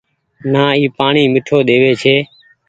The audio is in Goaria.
نآ اي پآڻيٚ ميٺو ۮيوي ڇي ۔